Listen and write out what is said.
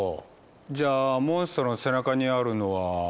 じゃあモンストロの背中にあるのは。